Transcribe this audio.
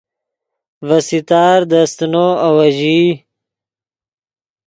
ڤے ستار دے استینو آویژئی